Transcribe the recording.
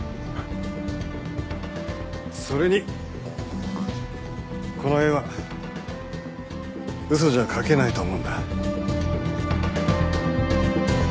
それにこの絵は嘘じゃ描けないと思うんだ。